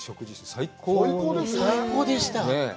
最高でした。